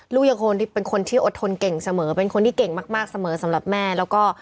ลูกยังคงเป็นคนที่อดทนเก่งเสมอเป็นคนที่เก่งมากมาก